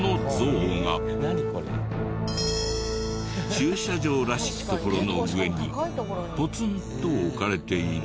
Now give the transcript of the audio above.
駐車場らしき所の上にポツンと置かれている。